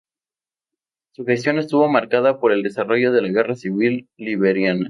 Su gestión estuvo marcada por el desarrollo de la Guerra Civil Liberiana.